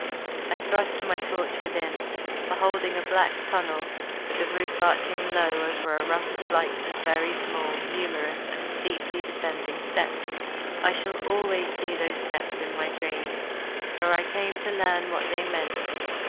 I thrust my torch within, beholding a black tunnel with the roof arching low over a rough flight of very small, numerous, and steeply descending steps. I shall always see those steps in my dreams, for I came to learn what they meant.